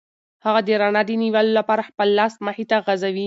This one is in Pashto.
هغه د رڼا د نیولو لپاره خپل لاس مخې ته غځوي.